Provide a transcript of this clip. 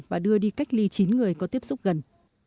và đưa đi cách ly chín người có tiếp xúc gần